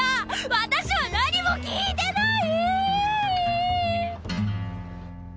私は何も聞いてない！！